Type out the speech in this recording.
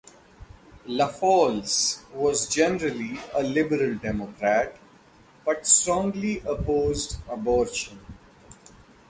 LaFalce was generally a liberal Democrat, but strongly opposed abortion.